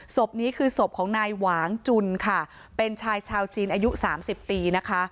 ศพนี้คือศพของนายหวางจุนค่ะเป็นชายชาวจีนอายุสามสิบปีนะคะ